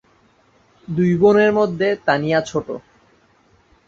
দুই বোনের মধ্যে তানিয়া ছোট।